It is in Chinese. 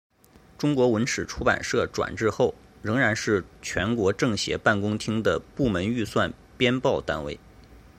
中国文史出版社转制后仍然是全国政协办公厅的部门预算编报单位。